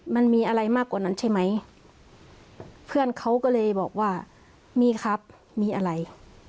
มันมีอะไรมากกว่านั้นใช่ไหมเพื่อนเขาก็เลยบอกว่ามีครับมีอะไร